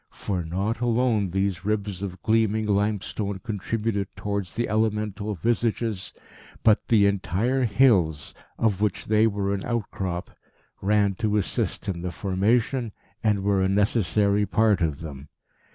For not alone these ribs of gleaming limestone contributed towards the elemental visages, but the entire hills, of which they were an outcrop, ran to assist in the formation, and were a necessary part of them.